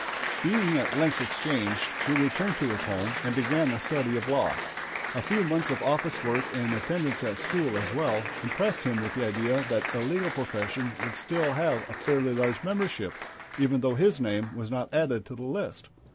Being at length exchanged, he returned to his home and began the study of law. A few months of office work and attendance at school, as well, impressed him with the idea that the legal profession would still have a fairly large membership, even though his name was not added to the list.